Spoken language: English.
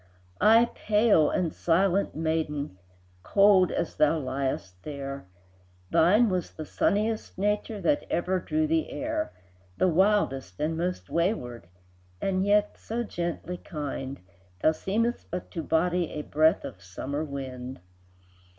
Ay, pale and silent maiden, Cold as thou liest there, Thine was the sunniest nature That ever drew the air, The wildest and most wayward, And yet so gently kind, Thou seemedst but to body A breath of summer wind.